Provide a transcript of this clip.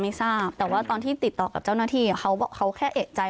ไม่ทราบแต่ว่าตอนที่ติดต่อกับเจ้าหน้าที่เขาแค่เอกใจ